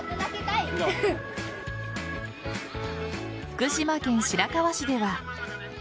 福島県白河市では。